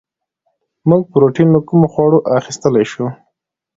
موږ پروټین له کومو خوړو اخیستلی شو